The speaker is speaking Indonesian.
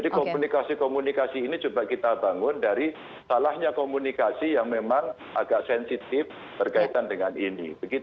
jadi komunikasi komunikasi ini coba kita bangun dari salahnya komunikasi yang memang agak sensitif berkaitan dengan ini